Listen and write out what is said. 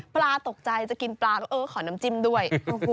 ปลาตกใจจะกินปลาก็เออขอน้ำจิ้มด้วย